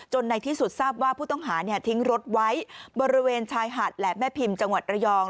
ในที่สุดทราบว่าผู้ต้องหาทิ้งรถไว้บริเวณชายหาดและแม่พิมพ์จังหวัดระยอง